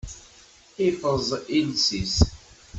Iffeẓ iles-is.